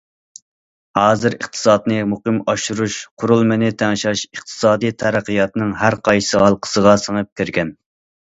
ھازىر ئىقتىسادنى مۇقىم ئاشۇرۇش، قۇرۇلمىنى تەڭشەش ئىقتىسادىي تەرەققىياتنىڭ ھەر قايسى ھالقىسىغا سىڭىپ كىرگەن.